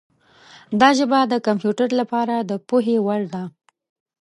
دا ژبه د کمپیوټر لپاره د پوهې وړ ده.